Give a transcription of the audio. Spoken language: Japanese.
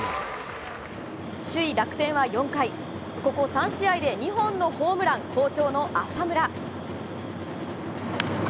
首位楽天は４回、ここ３試合で２本のホームラン、好調の浅村。